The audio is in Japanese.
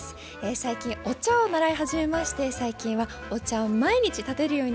最近お茶を習い始めまして最近はお茶を毎日たてるようになりました。